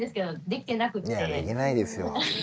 できないですよ。